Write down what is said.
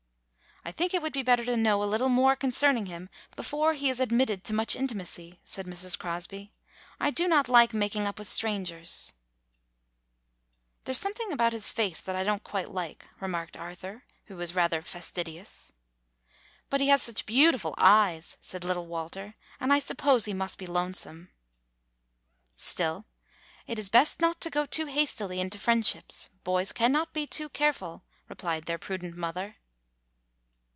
"I think it would be better to know a little more concerning him before he is admitted to much intimacy," said Mrs. Crosby. "I do not like making up with strangers." [ 105 ] AN EASTER LILY "There 's something about his face that I don't quite like," remarked Arthur, who was rather fastidious. "But he has such beautiful eyes," said little Walter, "and I suppose he must be lonesome." "Still, it is best not to go too hastily into friendships. Boys cannot be too careful," re plied their prudent mother.